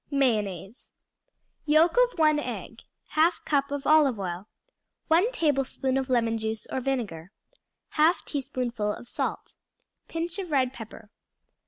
Mayonnaise Yolk of 1 egg. 1/2 cup of olive oil. 1 tablespoonful of lemon juice or vinegar. 1/2 teaspoonful of salt. Pinch of red pepper.